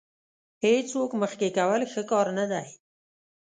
هېڅوک مخکې کول ښه کار نه دی.